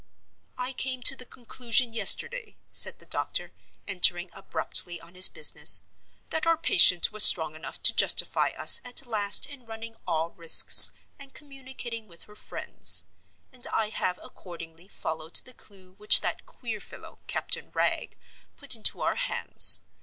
"I came to the conclusion yesterday," said the doctor, entering abruptly on his business, "that our patient was strong enough to justify us at last in running all risks, and communicating with her friends; and I have accordingly followed the clue which that queer fellow, Captain Wragge, put into our hands.